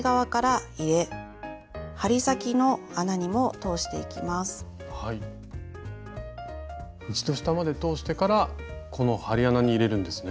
そして下まで通してからこの針穴に入れるんですね？